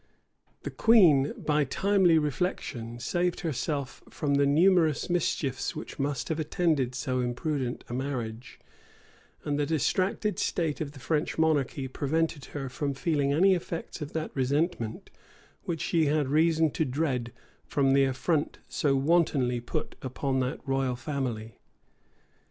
The queen, by timely reflection, saved herself from the numerous mischiefs which must have attended so imprudent a marriage: and the distracted state of the French monarchy prevented her from feeling any effects of that resentment which she had reason to dread from the affront so wantonly put upon that royal family.